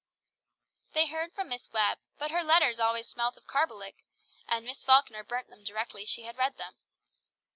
They heard from Miss Webb, but her letters always smelt of carbolic, and Miss Falkner burnt them directly she had read them.